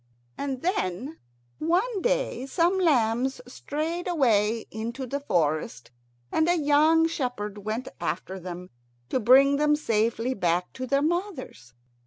And then one day some lambs strayed away into the forest, and a young shepherd went after them to bring them safely back to their mothers.